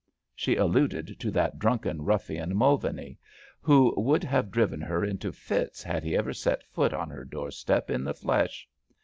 " She alluded to that drunken ruffian Mulvaney, who would have driven her into fits had he ever set foot on her doorstep in the flesh.